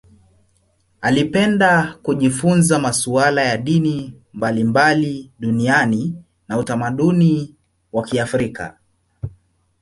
Alipenda kujifunza masuala ya dini mbalimbali duniani na utamaduni wa Kiafrika.